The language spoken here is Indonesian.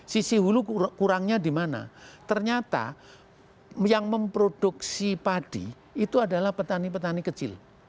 sisi hulu kurangnya di mana ternyata yang memproduksi padi itu adalah petani petani kecil